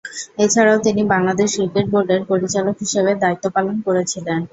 এছাড়াও তিনি বাংলাদেশ ক্রিকেট বোর্ডের পরিচালক হিসেবে দায়িত্ব পালন করেছিলেন।